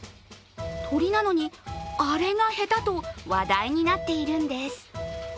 鳥なのに、アレが下手と話題になっているんです。